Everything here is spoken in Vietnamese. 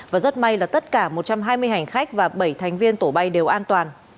và rất may là tất cả một trăm hai mươi hành khách và bảy thành viên tổ bay đều an toàn